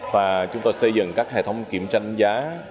và chúng tôi xây dựng các hệ thống kiểm tranh giá